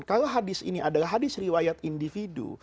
kalau hadis ini adalah hadis riwayat individu